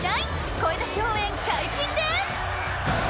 声出し応援解禁で。